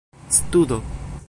studo